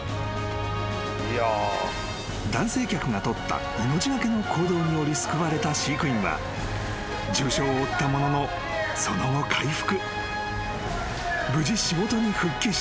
［男性客が取った命懸けの行動により救われた飼育員は重傷を負ったもののその後回復］